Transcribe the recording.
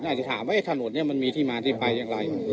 อาจจะถามว่าถนนนี้มันมีที่มาที่ไปอย่างไร